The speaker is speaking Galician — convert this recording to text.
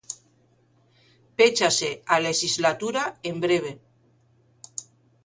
Péchase a lexislatura en breve.